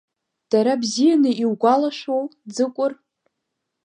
Дара бзианы иугәалашәуоу, Ӡыкәыр?